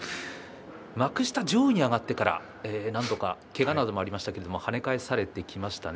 幕下上位に上がってから何度かけがなどもありまして跳ね返されてきましたね。